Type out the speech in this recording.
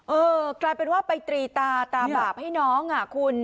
เออกลายเป็นว่าไปตรีตาตาบาปให้น้องอ่ะคุณ